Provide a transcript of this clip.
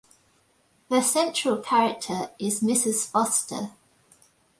The central character is Mrs. Foster.